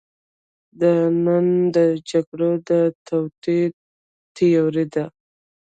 دا د نن د جګړو د توطیو تیوري ده.